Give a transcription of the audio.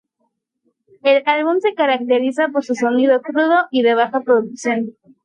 El álbum se caracteriza por su sonido crudo y de baja producción.